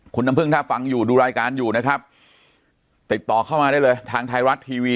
คุณน้ำพึ่งถ้าฟังอยู่ดูรายการอยู่นะครับติดต่อเข้ามาได้เลยทางไทยรัฐทีวี